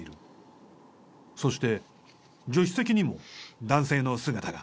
そして助手席にも男性の姿が。